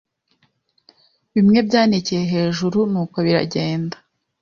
bimwe byanekeye hejuruNuko biragenda